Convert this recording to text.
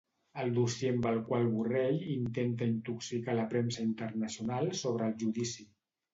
El dossier amb el qual Borrell intenta intoxicar la premsa internacional sobre el judici.